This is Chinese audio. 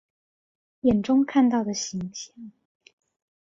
眼中看到的形象